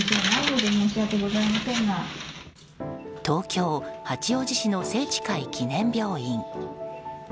東京・八王子市の清智会記念病院。